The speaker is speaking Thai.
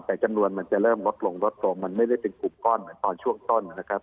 แต่จำนวนมันจะเริ่มลดลงลดลงมันไม่ได้เป็นกลุ่มก้อนเหมือนตอนช่วงต้นนะครับ